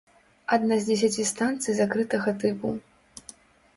Адна з дзесяці станцый закрытага тыпу.